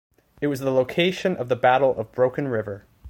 It was the location of the Battle of Broken River.